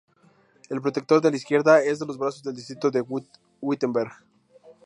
El protector a la izquierda es los brazos del distrito de Wittenberg.